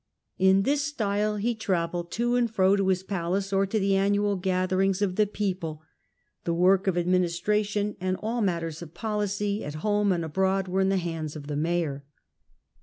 In this style he travelled to and fro to lis palace or to the annual gatherings of the people. ?he work of administration and all matters of policy at lome and abroad were in the hands of the mayor."